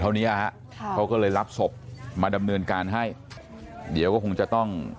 เขาเนี้ยฮะค่ะเขาก็เลยรับศพมาดำเนินการให้เดี๋ยวก็คงจะต้อง